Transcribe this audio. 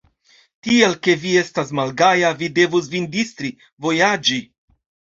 Tial ke vi estas malgaja, vi devus vin distri, vojaĝi.